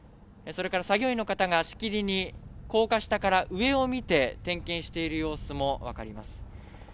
それから作業員の方がしきりに高架下から上を見て、点検している様子もわかります。